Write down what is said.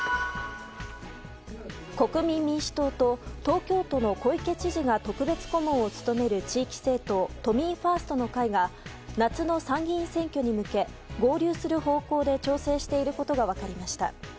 国民民主党と東京都の小池知事が特別顧問を務める地域政党都民ファーストの会が夏の参議院選挙に向け合流する方向で調整していることが分かりました。